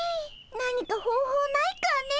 何か方法ないかね。